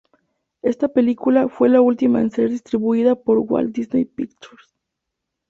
Esta película fue la última en ser distribuida por Walt Disney Pictures.